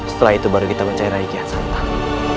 setelah itu baru kita mencari rai kian santang